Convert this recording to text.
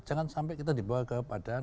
jangan sampai kita dibawa ke padang